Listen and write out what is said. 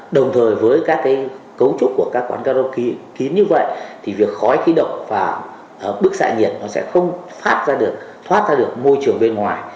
đồng thời với các cấu trúc của các quán karaoke kín như vậy thì việc khói kích động và bức xạ nhiệt nó sẽ không thoát ra được môi trường bên ngoài